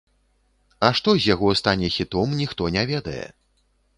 А што з яго стане хітом, ніхто не ведае.